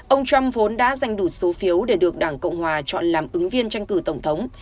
ông trump vốn đã giành đủ số phiếu để được đảng cộng hòa chọn làm ứng viên tranh cử tổng thống